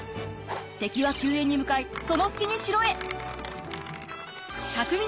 敵は救援に向かいその隙に城へ！